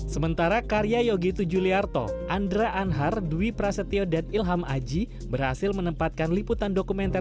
sementara karya yogi tujuliarto andra anhar dwi prasetyo dan ilham aji berhasil menempatkan liputan dokumenter